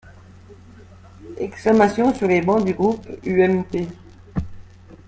Exclamations sur les bancs du groupe UMP.